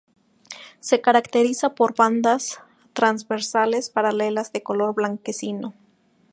Se caracteriza por bandas transversales paralelas de color blanquecino.